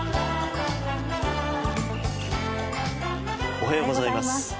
おはようございます。